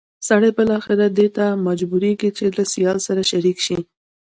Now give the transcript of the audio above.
سړی بالاخره دې ته مجبورېږي چې له سیال سره شریک شي.